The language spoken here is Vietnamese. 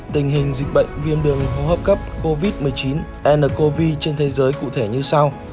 tình hình dịch bệnh viêm đường hô hấp cấp covid một mươi chín trên thế giới cụ thể như sau